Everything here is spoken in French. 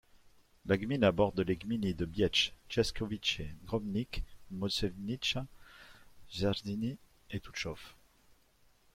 La gmina borde les gminy de Biecz, Ciężkowice, Gromnik, Moszczenica, Szerzyny et Tuchów.